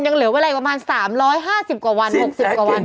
ยังเหลือเวลาอีกประมาณ๓๕๐กว่าวัน๖๐กว่าวัน